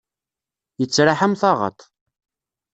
Yettraḥ am taɣaḍt.